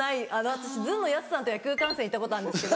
私ずんのやすさんと野球観戦行ったことあるんですけど。